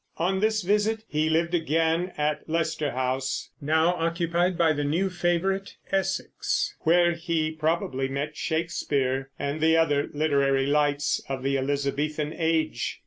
On this visit he lived again at Leicester House, now occupied by the new favorite Essex, where he probably met Shakespeare and the other literary lights of the Elizabethan Age.